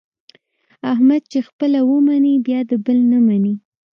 احمد چې خپله و مني بیا د بل نه مني.